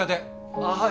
あぁはい。